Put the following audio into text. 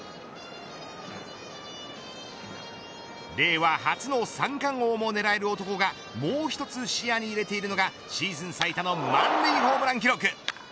令和初の三冠王も狙える男がもう１つ視野に入れているのがシーズン最多の満塁ホームラン記録。